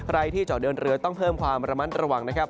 ใครที่เจาะเดินเรือต้องเพิ่มความระมัดระวังนะครับ